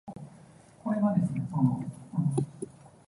一億三千萬